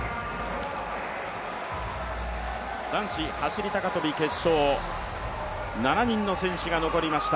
男子走高跳決勝、７人の選手が残りました。